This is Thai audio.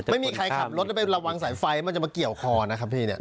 ไม่มีใครขับรถแล้วไประวังสายไฟมันจะมาเกี่ยวคอนะครับพี่เนี่ย